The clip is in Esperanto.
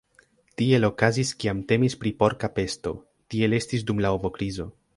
Tiel okazis kiam temis pri porka pesto, tiel estis dum la ovo-krizo.